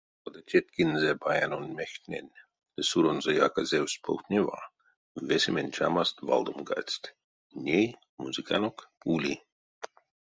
Кода тетькинзе баянонь мехтнень ды суронзо яказевсть повтнева, весемень чамаст валдомгадсть: ней музыканок ули!